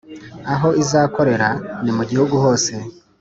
Aho izakorera ni mugihugu hose